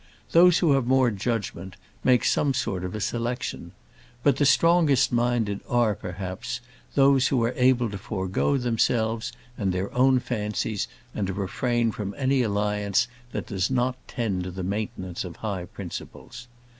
Those who have more judgement, make some sort of selection. But the strongest minded are, perhaps, those who are able to forgo themselves and their own fancies, and to refrain from any alliance that does not tend to the maintenance of high principles.